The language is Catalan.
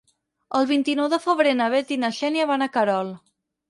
El vint-i-nou de febrer na Bet i na Xènia van a Querol.